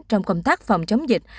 trong công tác phòng chống dịch